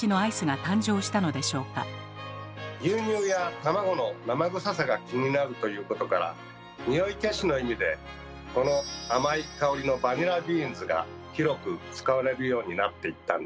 では牛乳や卵の生臭さが気になるということからにおい消しの意味でこの甘い香りのバニラビーンズが広く使われるようになっていったんです。